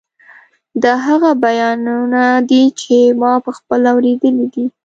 دا هغه بیانونه دي چې ما پخپله اورېدلي دي.